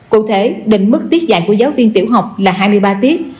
cụ thể đỉnh mức tiết dạy của giáo viên tiểu học là hai mươi ba tiết